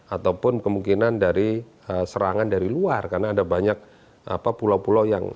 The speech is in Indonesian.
ataupun kemungkinan dari serangan dari luar karena ada banyak pulau pulau yang